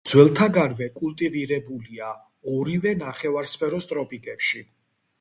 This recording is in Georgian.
ძველთაგანვე კულტივირებულია ორივე ნახევარსფეროს ტროპიკებში.